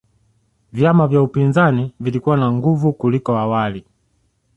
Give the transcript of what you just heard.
vyama vya upinzani vilikuwa na nguvu kuliko awali